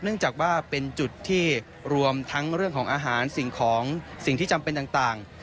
เนื่องจากว่าเป็นจุดที่รวมทั้งเรื่องของอาหารสิ่งของสิ่งที่จำเป็นต่าง